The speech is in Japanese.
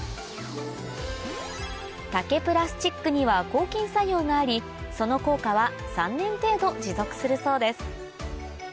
竹プラスチックには抗菌作用がありその効果は３年程度持続するそうです